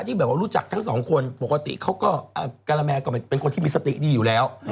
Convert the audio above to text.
ฝีมือการรู้จักทั้งสองคนปกติเกษตรแครมม่าก็เป็นคนที่มีสติดีอยู่แล้ว